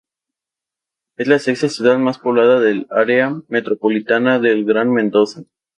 Es la sexta ciudad más poblada del área metropolitana del Gran Mendoza.